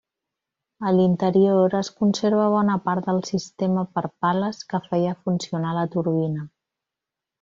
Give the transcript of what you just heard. A l'interior es conserva bona part del sistema per pales que feia funcionar la turbina.